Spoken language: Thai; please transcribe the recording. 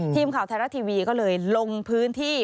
ทีมข่าวไทยรัฐทีวีก็เลยลงพื้นที่